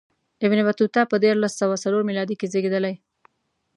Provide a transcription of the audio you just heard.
ابن بطوطه په دیارلس سوه څلور میلادي کې زېږېدلی.